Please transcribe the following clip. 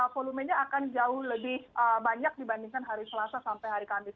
volumenya akan jauh lebih banyak dibandingkan hari selasa sampai hari kamis